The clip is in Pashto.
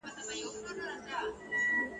زه به شمع غوندي ستا په لار کي بل سم !.